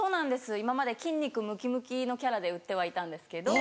今まで筋肉ムキムキのキャラで売ってはいたんですけど。